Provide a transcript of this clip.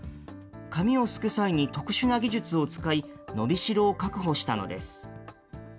紙をすく際に特殊な技術を使い、伸びしろを確保したのです。